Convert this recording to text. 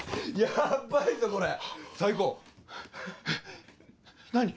ヤバいぞこれ最高えっ何？